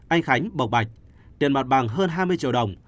anh khánh bộ bạch tiền mặt bằng hơn hai mươi triệu đồng